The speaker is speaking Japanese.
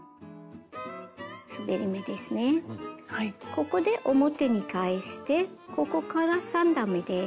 ここで表に返してここから３段めです。